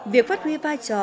việc phát huy vai trò